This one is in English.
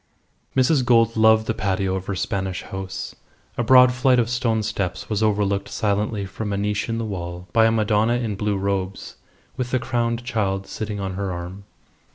Mrs. Gould loved the patio of her Spanish house. A broad flight of stone steps was overlooked silently from a niche in the wall by a Madonna in blue robes with the crowned child sitting on her arm.